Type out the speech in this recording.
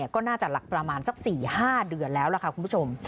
ก็น่าจะหลักประมาณสัก๔๕เดือนแล้วล่ะค่ะคุณผู้ชม